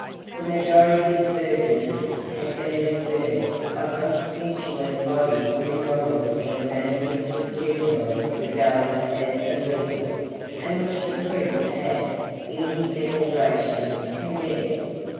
The majority of the burgesses had been returned by constituent bodies remodelled in a manner which was generally regarded as illegal, and which the Prince had, in his Declaration, condemned.